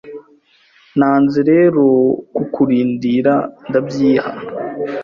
Nanze rero kukurindira ndabyiha